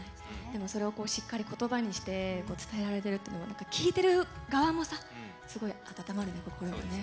でも、それをしっかり言葉にして伝えられてるって聞いてる側もさすごい温まるね、心がね。